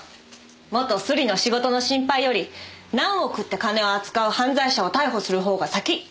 元スリの仕事の心配より何億って金を扱う犯罪者を逮捕するほうが先。